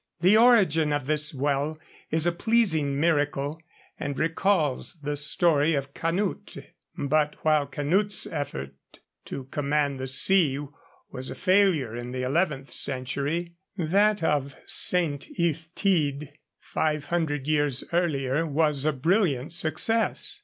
' The origin of this well is a pleasing miracle, and recalls the story of Canute; but while Canute's effort to command the sea was a failure in the eleventh century, that of St. Illtyd five hundred years earlier was a brilliant success.